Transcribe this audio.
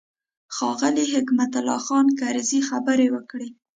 ښاغلي حکمت الله خان کرزي خبرې وکړې.